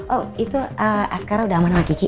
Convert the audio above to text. oh itu askara udah aman sama cuci